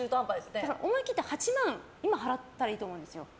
思い切って８万今、払ったらいいと思うんですよ。